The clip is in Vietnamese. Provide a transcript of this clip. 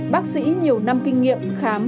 bác sĩ nhiều năm kinh nghiệm khám